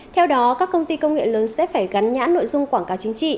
theo đó các công ty công nghệ lớn sẽ phải gắn nhãn nội dung quảng cáo chính trị